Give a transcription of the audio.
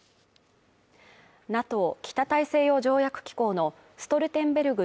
ＮＡＴＯ＝北大西洋条約機構のストルテンベルグ